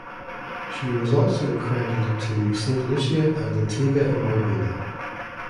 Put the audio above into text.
She was also accredited to Saint Lucia and Antigua and Barbuda.